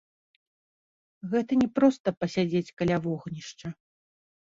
Гэта не проста пасядзець каля вогнішча.